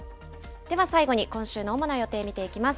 では最後に今週の主な予定、見ていきます。